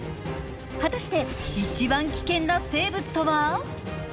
果たして、一番危険な生物とは？